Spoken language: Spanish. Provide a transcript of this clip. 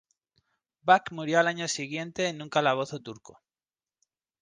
Vuk murió al año siguiente en un calabozo turco.